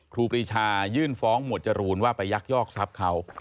ครูปรีชายื่นฟ้องหมวดจรูนว่าไปยักยอกทรัพย์เขา